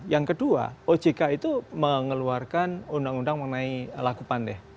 yang kedua ojk itu mengeluarkan undang undang mengenai laku pandai